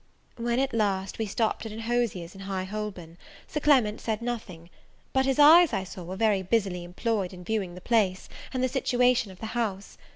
When, at last, we stopped at an hosier's in High Holborn, Sir Clement said nothing, but his eyes, I saw, were very busily employed in viewing the place, and the situation of the house.